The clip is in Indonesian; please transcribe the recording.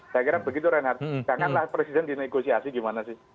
saya kira begitu reinhardt janganlah presiden dinegosiasi gimana sih